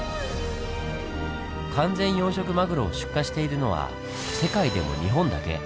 完全養殖マグロを出荷しているのは世界でも日本だけ。